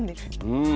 うん。